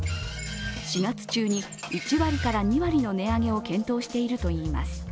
４月中に１割から２割の値上げを検討しているといいます。